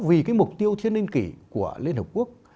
vì cái mục tiêu thiên ninh kỷ của liên hợp quốc